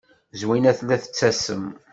Zwina tella tettasem.